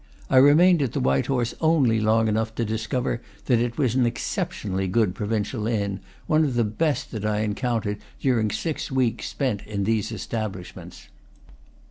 I remained at the White Horse only long enough to discover that it was an exceptionally good provincial inn, one of the best that I encountered during six weeks spent in these establishments.